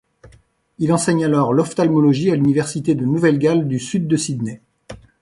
Il enseigne alors l'ophtalmologie à l'Université de Nouvelle-Galles du Sud de Sydney.